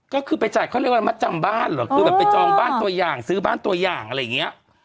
ก็คือไปจ่ายเขาเรียกว่ามัดจำบ้านเหรอคือแบบไปจองบ้านตัวอย่างซื้อบ้านตัวอย่างอะไรอย่างเงี้ย